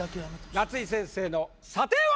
夏井先生の査定は⁉